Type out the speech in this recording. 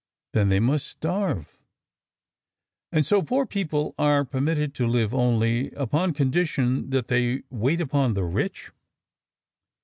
"Then they must starve." "And so poor people are permitted to live only upon condition that they wait upon the rich?"